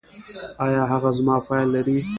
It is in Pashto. ایا هغه زما فایل لري؟